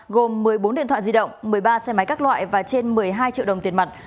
gồm một mươi bốn điện thoại di động một mươi ba xe máy các loại và trên một mươi hai triệu đồng tiền mặt